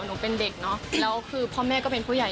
หนูเป็นเด็กเนอะแล้วคือพ่อแม่ก็เป็นผู้ใหญ่